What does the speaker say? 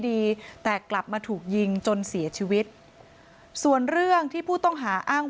ดีแต่กลับมาถูกยิงจนเสียชีวิตส่วนเรื่องที่ผู้ต้องหาอ้าง